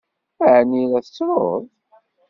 Ɛni la tettruḍ?